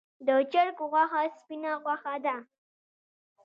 د چرګ غوښه سپینه غوښه ده